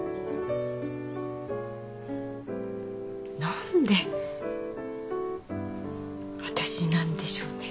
何で私なんでしょうね？